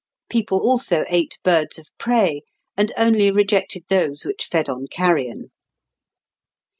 People also ate birds of prey, and only rejected those which fed on carrion.